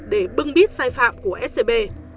để bưng bít sai phạm của scb